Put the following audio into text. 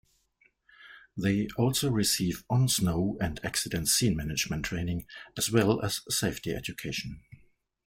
They also receive on-snow and accident-scene management training as well as safety education.